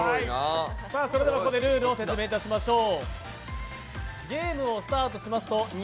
それではここでルールをご説明いたしましょう。